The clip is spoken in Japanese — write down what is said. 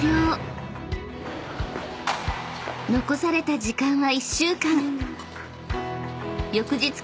［残された時間は１週間］